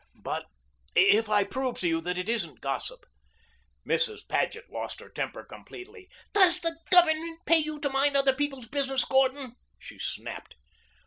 "But if I prove to you that it isn't gossip." Mrs. Paget lost her temper completely. "Does the Government pay you to mind other people's business, Gordon?" she snapped.